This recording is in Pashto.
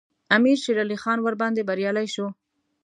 امیر شېرعلي خان ورباندې بریالی شو.